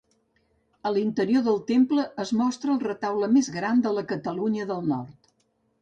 A l'interior del temple es mostra el retaule més gran de la Catalunya del Nord.